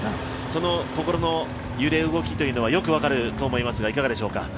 その心の揺れ動きというのはよく分かると思うんですがいかがでしょうか？